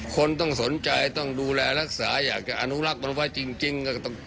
คนต้องสนใจต้องดูแลรักษาอยากจะอนุรักษ์มันไว้จริง